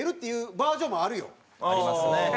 ありますね。